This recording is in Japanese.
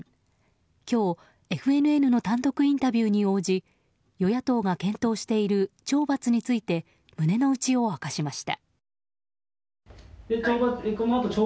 今日ＦＮＮの単独インタビューに応じ与野党が検討している懲罰について胸の内を明かしました。